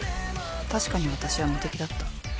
確かに私は無敵だった。